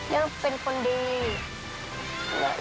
เรื่องเป็นคนดี